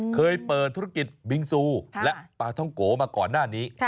เคยเปิดธุรกิจบิงซูและปลาท้องโกมาก่อนหน้านี้